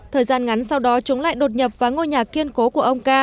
thời gian ngắn sau đó chúng lại đột nhập vào ngôi nhà kiên cố của ông ca